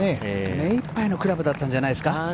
目いっぱいのクラブだったんじゃないですか？